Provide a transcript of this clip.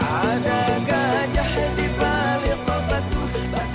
ada gajahnya dibalik